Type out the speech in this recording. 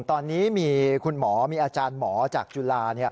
ตอนนี้มีคุณหมอมีอาจารย์หมอจากจุฬา